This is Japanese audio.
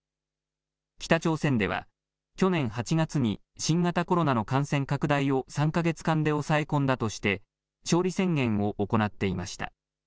北朝鮮では去年８月に新型コロナの感染拡大を３か月間で抑え込んだとして勝利宣言を行っていました。